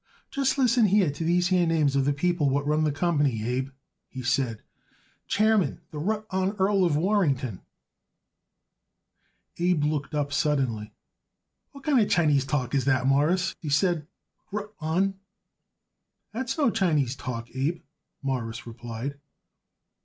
"Just listen here to these here names of the people what run the company, Abe," he said. "Chairman, the rutt honn Earl of Warrington." Abe looked up suddenly. "What kind of Chinese talk is that, Mawruss?" he said. "Rutt honn?" "That's no Chinese talk, Abe," Morris replied.